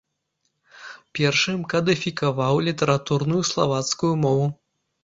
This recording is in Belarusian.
Першым кадыфікаваў літаратурную славацкую мову.